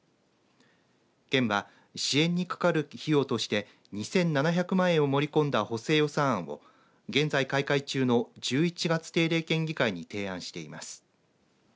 県は、支援にかかる費用として２７００万円を盛り込んだ補正予算案を現在開会中の１１月定例県議会に提案しています。